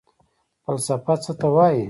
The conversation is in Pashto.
فلسفه څه ته وايي؟